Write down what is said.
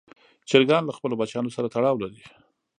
چرګان له خپلو بچیانو سره تړاو لري.